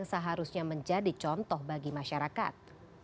seharusnya menjadi contoh bagi masyarakat